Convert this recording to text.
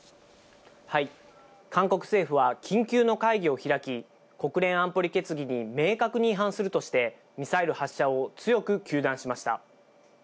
韓国政府は、緊急の会議を開き、国連安保理決議に明確に違反するとして、ミサイル発射を強く糾弾しました。